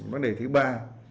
vấn đề thứ ba